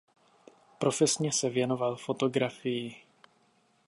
Profesně se věnoval fotografii.